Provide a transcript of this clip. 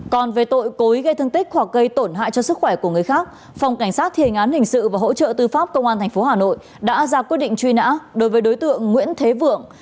còn về tội cối gây thương tích hoặc gây tổn hại cho sức khỏe của người khác phòng cảnh sát thiền án hình sự và hỗ trợ tư pháp công an tp hà nội đã ra quyết định truy nã đối với đối tượng nguyễn thế vượng